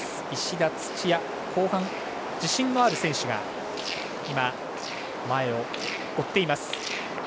石田、土屋後半に自信のある選手が今、前を追っています。